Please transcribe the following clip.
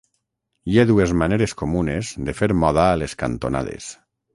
Hi ha dues maneres comunes de fer moda a les cantonades.